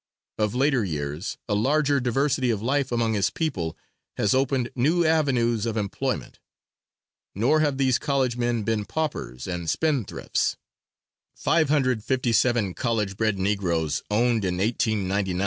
Of later years a larger diversity of life among his people, has opened new avenues of employment. Nor have these college men been paupers and spendthrifts; 557 college bred Negroes owned in 1899, $1,342,862.